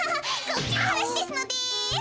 こっちのはなしですので。